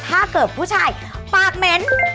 ถ้าเกิดผู้ชายปากเหม็น